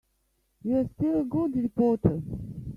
You're still a good reporter.